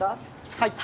はい。